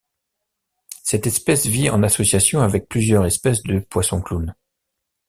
Cette espèce vit en association avec plusieurs espèces de poisson-clown.